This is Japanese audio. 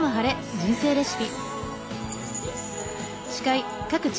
人生レシピ」